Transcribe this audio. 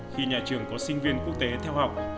khi nhà trường có sinh viên quốc tế theo học